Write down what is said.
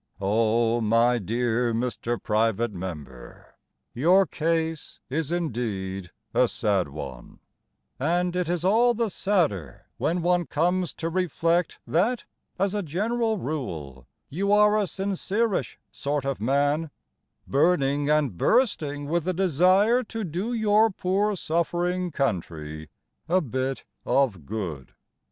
Oh! my dear Mr. Private Member, Your case is indeed a sad one, And it is all the sadder when one comes to reflect That, as a general rule, you are a sincereish sort of man, Burning and bursting with a desire To do your poor suffering country A bit of good.